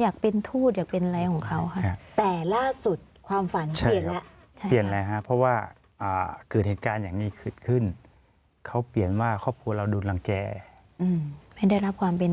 อย่างเก่งมากแล้วจริงเขามีความฝัน